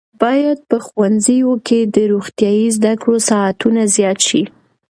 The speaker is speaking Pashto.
باید په ښوونځیو کې د روغتیايي زده کړو ساعتونه زیات شي.